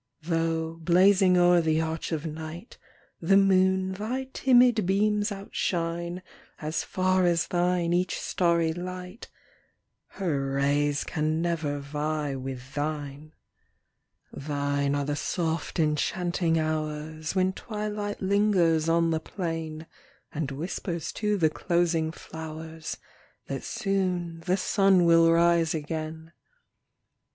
Though, blazing o'er the arch of night, The moon thy timid beams outshine As far as thine each starry light ; ŌĆö Her rays can never vie with thine. 125 Thine are the soft enchanting hours When twilight lingers on the plain, And whispers to the closing flowers, That soon the sun will rise again.